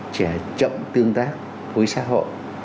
trẻ chậm tương tác với xã hội